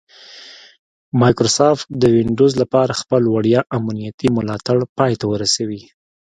مایکروسافټ د ونډوز لپاره خپل وړیا امنیتي ملاتړ پای ته ورسوي